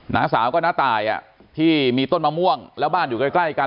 น้าสาวก็น้าตายที่มีต้นมะม่วงแล้วบ้านอยู่ใกล้กัน